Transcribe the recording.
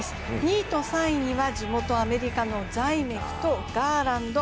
２位と３位には地元アメリカのザイメクとガーランド。